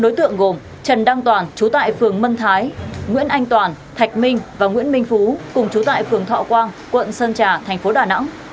bốn đối tượng gồm trần đăng toàn chú tại phường mân thái nguyễn anh toàn thạch minh và nguyễn minh phú cùng chú tại phường thọ quang quận sơn trà thành phố đà nẵng